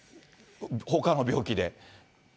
ほかの病気で。